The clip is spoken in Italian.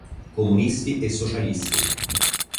Comunisti e Socialisti.